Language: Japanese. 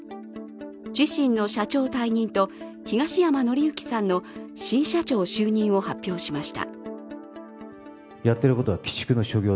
自身の社長退任と、東山紀之さんの新社長就任を発表しました。